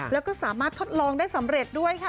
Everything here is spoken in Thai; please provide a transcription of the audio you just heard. แล้วก็สามารถทดลองได้สำเร็จด้วยค่ะ